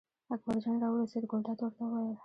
اکبرجان راورسېد، ګلداد ورته وویل.